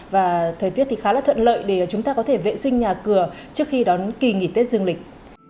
và thời tiết thì khá là thuận lợi để chúng ta có thể vệ sinh nhà cửa trước khi đón kỳ nghỉ tết dương lịch